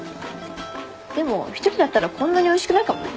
でも１人だったらこんなにおいしくないかもね。